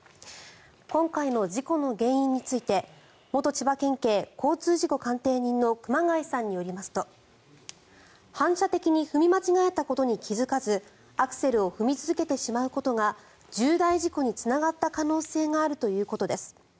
今回の事故の原因について元千葉県警交通事故鑑定人の熊谷さんによりますと反射的に踏み間違えたことに気付かずアクセルを踏み続けてしまうことが重大事故につながった可能性があるということです。